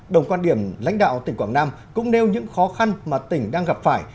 đồng quan điểm lãnh đạo tp đà nẵng cũng nêu những khó khăn mà tỉnh đang gặp phải